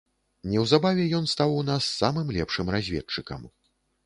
Неўзабаве ён стаў у нас самым лепшым разведчыкам.